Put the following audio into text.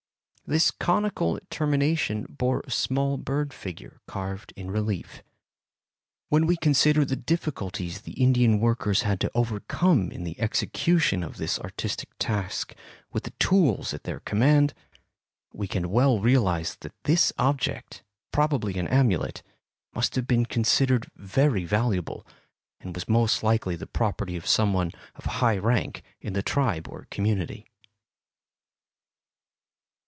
This conical termination bore a small bird figure carved in relief. When we consider the difficulties the Indian workers had to overcome in the execution of this artistic task with the tools at their command, we can well realize that this object, probably an amulet, must have been considered very valuable, and was most likely the property of some one of high rank in the tribe or community.